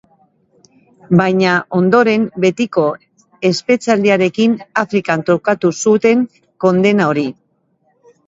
Baina, ondoren, betiko espetxealdiarekin Afrikan trukatu zuten kondena hori.